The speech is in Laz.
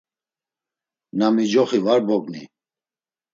Na micoxi var bogni.